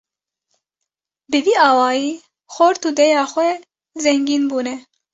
Bi vî awayî xort û dêya xwe zengîn bûne.